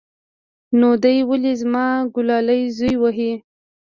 نو دى ولې زما گلالى زوى وهي.